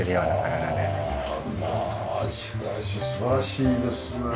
まあしかし素晴らしいですね。